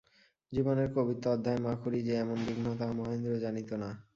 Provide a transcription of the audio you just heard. জীবনের কবিত্ব-অধ্যায়ে মা খুড়ী যে এমন বিঘ্ন, তাহা মহেন্দ্র জানিত না।